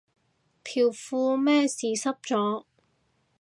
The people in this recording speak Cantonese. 條褲咩事濕咗